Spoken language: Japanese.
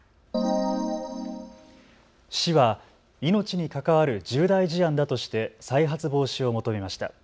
市は命に関わる重大事案だとして再発防止を求めました。